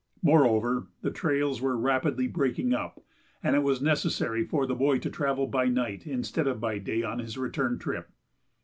Moreover, the trails were rapidly breaking up, and it was necessary for the boy to travel by night instead of by day on his return trip.